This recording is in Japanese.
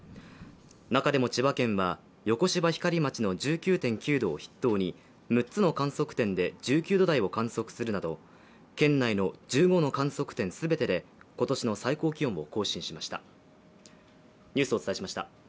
中でも千葉県は横芝光町の１９．９度を筆頭に６つの観測点で１９度台を観測するなど県内の１５の観測点全てで今年の最高気温を更新しました。